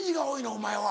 お前は。